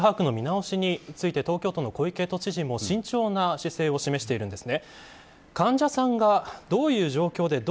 全数把握の見直しについて東京都の小池都知事も慎重な姿勢を示しています。